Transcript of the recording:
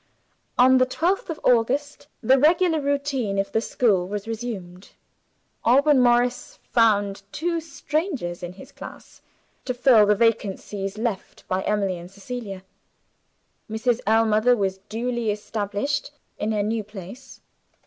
On the twelfth of August the regular routine of the school was resumed. Alban Morris found two strangers in his class, to fill the vacancies left by Emily and Cecilia. Mrs. Ellmother was duly established in her new place.